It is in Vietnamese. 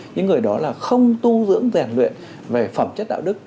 những người đó là không tu dưỡng rèn luyện về phẩm chất đạo đức